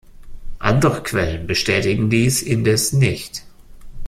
Andere Quellen bestätigen dies indes nicht.